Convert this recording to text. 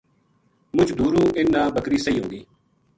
مُچ دُوروں اِنھ نا بکری سہی ہو گئی